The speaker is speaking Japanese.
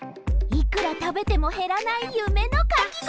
いくらたべてもへらないゆめのかきごおり！